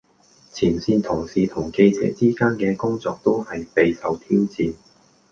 前線同事同記者之間嘅工作都係備受挑戰